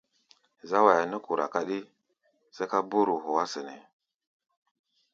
Záwaya nɛ́ kora káɗí sɛ́ká bóóro hɔá sɛnɛ́.